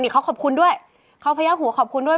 เนี่ยเขาขอบคุณด้วยเขาพยายามหูว่าขอบคุณด้วย